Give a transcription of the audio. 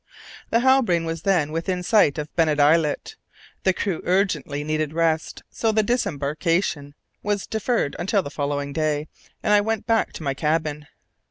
The Halbrane was then within sight of Bennet Islet! The crew urgently needed rest, so the disembarkation was deferred until the following day, and I went back to my cabin.